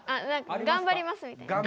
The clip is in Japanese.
「頑張ります」みたいな。